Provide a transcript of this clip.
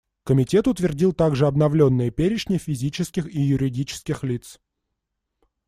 Комитет утвердил также обновленные перечни физических и юридических лиц.